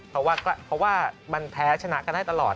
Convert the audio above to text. เพราะว่ามันแพ้ชนะกันได้ตลอด